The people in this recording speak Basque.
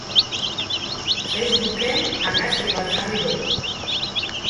Facebook-en argazki bat jarri du.